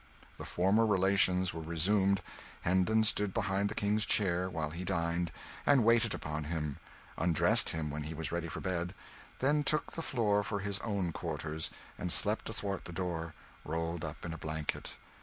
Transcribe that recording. The former relations were resumed; Hendon stood behind the King's chair, while he dined, and waited upon him; undressed him when he was ready for bed; then took the floor for his own quarters, and slept athwart the door, rolled up in a blanket.